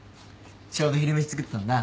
ちょうど昼飯作ったんだ。